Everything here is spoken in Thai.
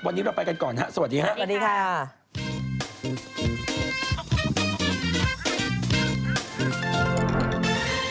วันนี้เราไปกันก่อนสวัสดีครับ